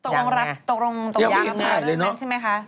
ยังนะยังไม่ได้ถ่ายเลยเนอะตรงรับตรงนั้นใช่ไหมคะ